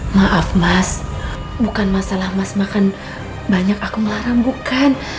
maaf mas bukan masalah mas makan banyak aku melarang bukan